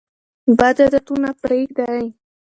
بد عادتونه پریږدئ.